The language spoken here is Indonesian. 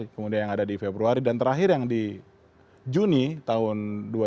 kemudian yang ada di februari dan terakhir yang di juni tahun dua ribu dua puluh